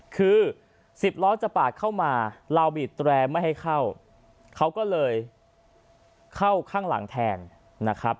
คือ๑๐ล้อจะปาดเข้ามาเราบีดแรร์ไม่ให้เข้าเขาก็เลยเข้าข้างหลังแทนนะครับ